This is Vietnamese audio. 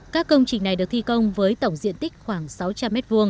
các công trình này được thi công với tổng diện tích khoảng sáu trăm linh m hai